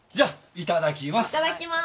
いただきます。